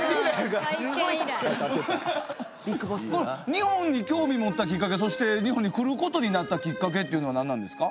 日本に興味持ったきっかけそして日本に来ることになったきっかけっていうのは何なんですか？